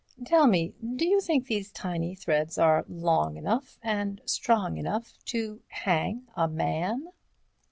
Tell me, d'you think these tiny threads are long enough and strong enough to hang a man?"